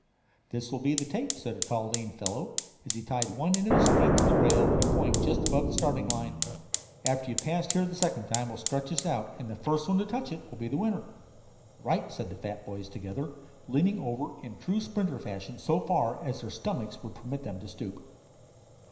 "This will be the tape," said a tall lean fellow, as he tied one end of a string to the rail, at a point just above the starting line. "After you have passed here the second time we'll stretch this out, and the first one to touch it will be the winner." "Right," said the fat boys together, leaning over in true sprinter fashion so far as their stomachs would permit them to stoop.